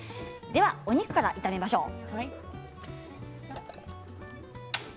では、お肉から炒めましょう。